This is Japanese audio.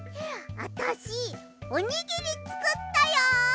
あたしおにぎりつくったよ！